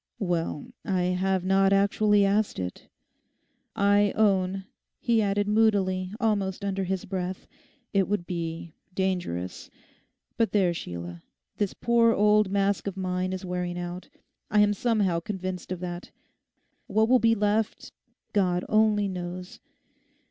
'Well, I have not actually asked it. I own,' he added moodily, almost under his breath, 'it would be—dangerous.... But there, Sheila, this poor old mask of mine is wearing out. I am somehow convinced of that. What will be left, God only knows.